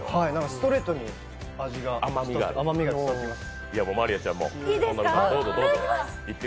ストレートに甘みが伝わってきます。